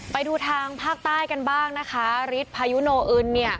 ไปดูทางภาคใต้กันบ้างนะคะฤทธิพายุโนอึนเนี่ย